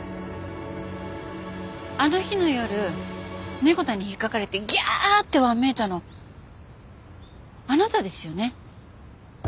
あの日の夜ネコ太に引っかかれて「ギャー！」ってわめいたのあなたですよね？